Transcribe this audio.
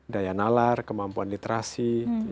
daya nalar kemampuan literasi